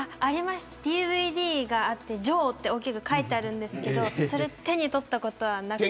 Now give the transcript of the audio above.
ＤＶＤがあって、城って大きく書いてあるんですけど手に取ったことはなくて。